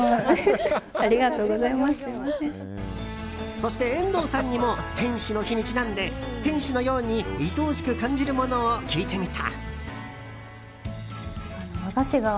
そして、遠藤さんにも天使の日にちなんで天使のように、いとおしく感じるものを聞いてみた。